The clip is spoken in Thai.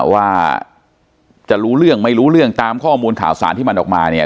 ว่าจะรู้เรื่องไม่รู้เรื่องตามข้อมูลข่าวสารที่มันออกมาเนี่ย